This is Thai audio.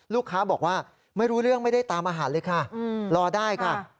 ลูกค้าบอกว่าไม่รู้เรื่องไม่ได้ตามอาหารเลยค่ะรอได้ค่ะ